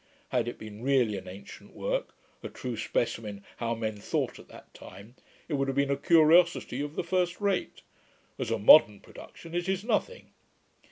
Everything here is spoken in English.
Had it been really an ancient work, a true specimen how men thought at that time, it would have been a curiosity of the first rate. As a modern production, it is nothing.'